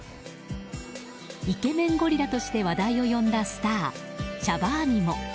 イケメンゴリラとして話題を呼んだスター、シャバーニも。